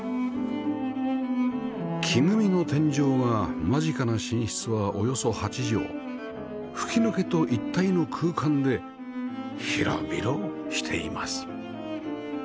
木組みの天井が間近な寝室はおよそ８畳吹き抜けと一体の空間で広々しています